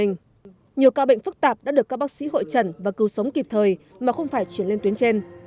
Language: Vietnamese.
nhiều ca bệnh phức tạp đã được các bác sĩ hội trần và cứu sống kịp thời mà không phải chuyển lên tuyến trên